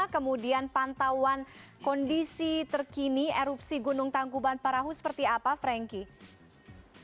kemudian pantauan kondisi terkini erupsi gunung tangkuban parahu seperti apa frankie